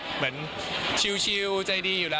เหมือนชิลใจดีอยู่แล้ว